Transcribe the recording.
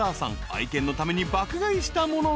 ［愛犬のために爆買いしたものが］